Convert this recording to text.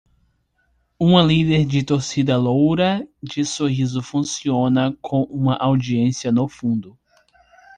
Uma líder de torcida loura de sorriso funciona com uma audiência no fundo.